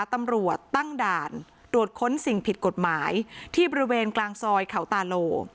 ตำรวจตั้งด่านตรวจค้นสิ่งผิดกฎหมายที่บริเวณกลางซอยเขาตาโล